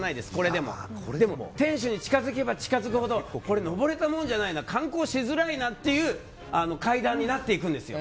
でも天守に近づけば近づくほど登れたもんじゃないな観光しづらいなという階段になっていくんですよ。